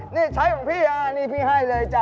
นี่ใช้ของพี่อ่ะนี่พี่ให้เลยจ้ะ